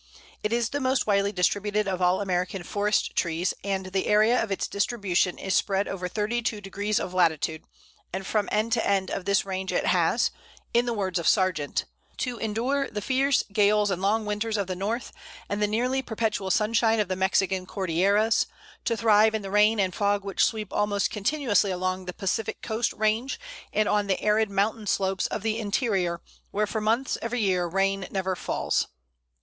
It is the most widely distributed of all American forest trees, and the area of its distribution is spread over thirty two degrees of latitude, and from end to end of this range it has, in the words of Sargent, "to endure the fierce gales and long winters of the north, and the nearly perpetual sunshine of the Mexican Cordilleras; to thrive in the rain and fog which sweep almost continuously along the Pacific coast range, and on the arid mountain slopes of the interior, where for months every year rain never falls."